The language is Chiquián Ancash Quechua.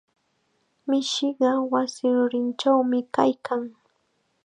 Mishiqa wasi rurinchawmi kaykan.